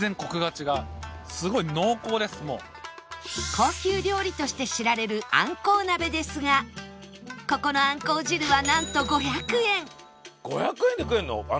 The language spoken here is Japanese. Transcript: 高級料理として知られるあんこう鍋ですがここのあんこう汁はなんと５００円５００円で食えるの？